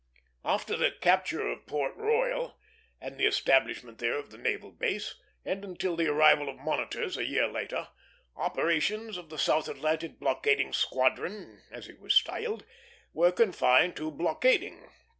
After the capture of Port Royal, and the establishment there of the naval base, and until the arrival of monitors a year later, operations of the South Atlantic Blockading Squadron, as it was styled, were confined to blockading.